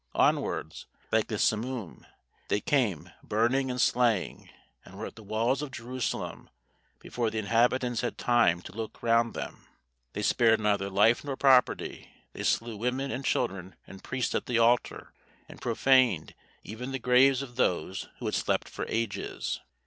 Onwards, like the simoom, they came, burning and slaying, and were at the walls of Jerusalem before the inhabitants had time to look round them. They spared neither life nor property; they slew women and children, and priests at the altar, and profaned even the graves of those who had slept for ages.